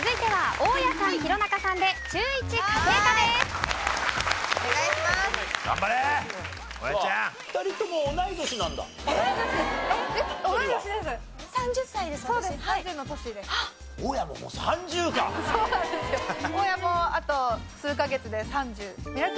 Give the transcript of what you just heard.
大家もあと数か月で３０。